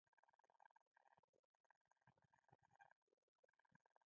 کله چې ایس میکس کتاب ته اشاره وکړه